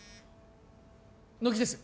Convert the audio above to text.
乃木です